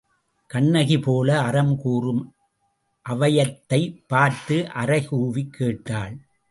கண்ணகி போல அறம் கூறும் அவையத் தைப் பார்த்து அறைகூவிக் கேட்டாள்.